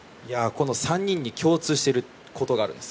３人に共通していることがあるんです。